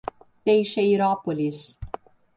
Teixeirópolis